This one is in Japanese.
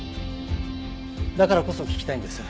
だからこそ聞きたいんです。